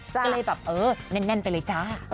ก็เลยแบบเออแน่นไปเลยจ้า